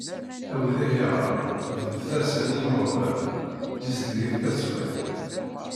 A widak yeɣran, beddet-asen i yimeɣban, zizdeget taswiɛt.